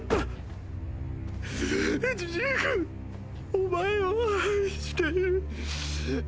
お前を愛してる！！